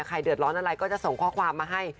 ใครเดือดร้อนอะไรก็จะส่งข้อความมาให้